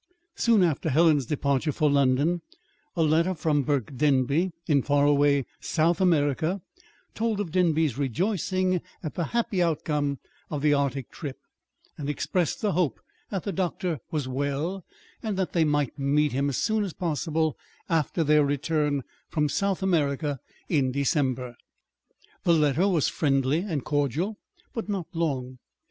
Soon after Helen's departure for London, a letter from Burke Denby in far away South America told of the Denbys' rejoicing at the happy outcome of the Arctic trip, and expressed the hope that the doctor was well, and that they might meet him as soon as possible after their return from South America in December. The letter was friendly and cordial, but not long.